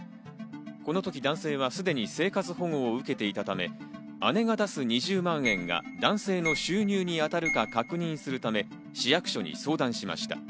このとき男性はすでに生活保護を受けていたため、姉が出す２０万円が男性の収入に当たるか確認するため、市役所に相談しました。